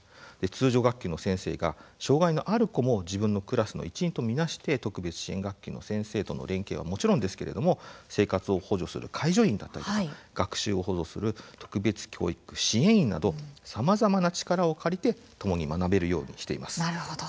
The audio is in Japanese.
通常学級の先生が障害のある子も自分のクラスの一員と見なして特別支援学級の先生との連携はもちろんですけれども生活を補助する介助員だったりとか学習を補助する特別教育支援員などさまざまな力を借りてともに学べるようにしています。